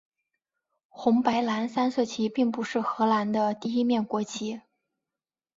红白蓝三色旗并不是荷兰的第一面国旗。